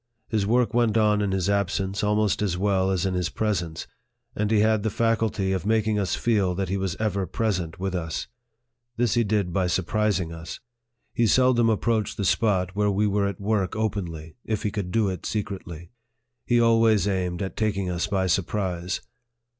His work went on in his absence almost as well as in his presence ; and he had the faculty of making us feel that he was ever present with us. This he did by surprising us. He LIFE OF FREDERICK DOUGLASS. 61 seldom approached the spot where we were at work openly, if he could do it secretly. He always aimed at taking us by surprise.